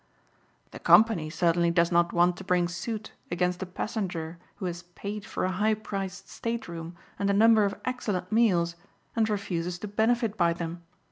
"The company certainly does not want to bring suit against a passenger who has paid for a high priced state room and a number of excellent meals and refuses to benefit by them.